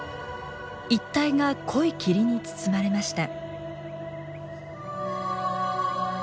一帯が濃い霧に包まれました。